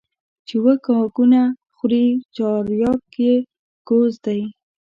چي اومه کاکونه خوري چارياک يې گوز دى.